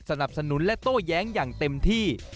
สนับสนุนและโต้แย้งอย่างเต็มที่